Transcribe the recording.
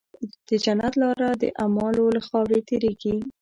د جنت لاره د اعمالو له خاورې تېرېږي.